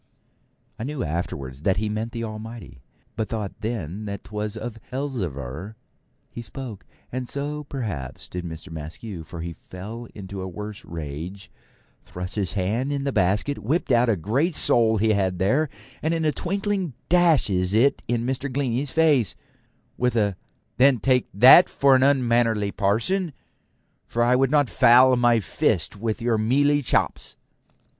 I knew afterwards that he meant the Almighty, but thought then that 'twas of Elzevir he spoke; and so, perhaps, did Mr. Maskew, for he fell into a worse rage, thrust his hand in the basket, whipped out a great sole he had there, and in a twinkling dashes it in Mr. Glennie's face, with a 'Then, take that for an unmannerly parson, for I would not foul my fist with your mealy chops.'